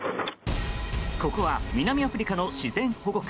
ここは南アフリカの自然保護区。